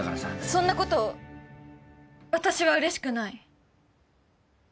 そんなこと私はうれしくない！